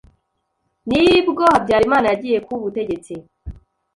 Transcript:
nibwo Habyarimana yagiye ku butegetsi